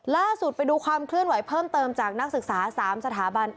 ล่าสุดไปดูความเคลื่อนไหวเพิ่มเติมจากนักศึกษา๓สถาบัน